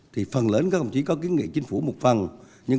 thì phần lớn các ông chí có kiến nghị chính phủ một phần